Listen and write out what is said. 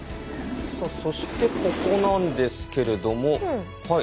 そしてここなんですけれども。